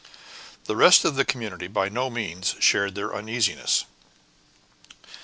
The rest of the community by no means shared in their uneasiness.